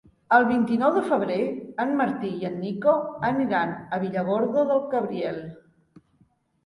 El vint-i-nou de febrer en Martí i en Nico aniran a Villargordo del Cabriel.